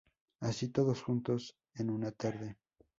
Así, todos juntos en una tarde.